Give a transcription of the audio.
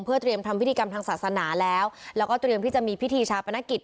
เพื่อเตรียมทำพิธีกรรมทางศาสนาแล้วแล้วก็เตรียมที่จะมีพิธีชาปนกิจ